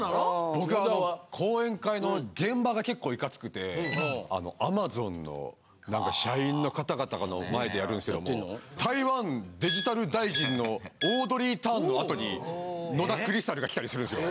僕はあの講演会の現場が結構いかつくてＡｍａｚｏｎの社員の方々の前でやるんですけれども台湾デジタル大臣の。のあとに野田クリスタルが来たりするんですよ。